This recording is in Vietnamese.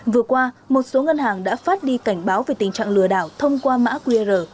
vừa qua một số ngân hàng đã phát đi cảnh báo về tình trạng lừa đảo thông qua mã qr